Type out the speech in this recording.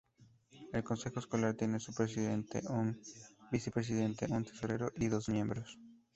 El consejo escolar tiene un presidente, un vicepresidente, un tesorero, y dos miembros.